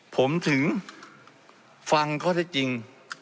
ผมถึงฟังก็ได้จริง